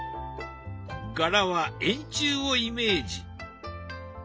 柄は円柱をイメージ。